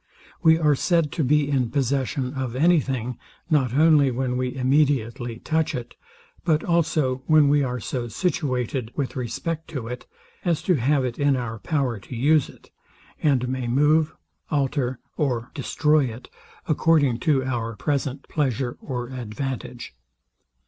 We are said to be in possession of any thing, not only when we immediately touch it, but also when we are so situated with respect to it, as to have it in our power to use it; and may move, alter, or destroy it, according to our present pleasure or advantage.